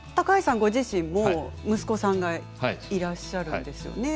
ご自身も息子さんがいらっしゃるんですよね。